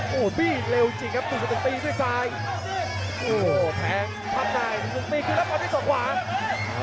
หนุ่มตีถือแรปกับทางสัดขวา